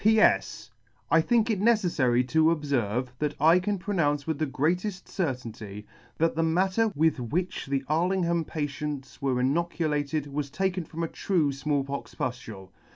<c P. S. I think it neceffary to obferve, that I can pronounce with the greateft certainty, that the matter with which the Arlingham patients were inoculated was taken from a true Small pox pudule.